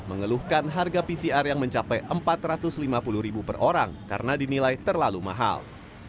mengeluhkan harga pcr yang mencapai rp empat ratus lima puluh per orang karena dinilai terlalu mahal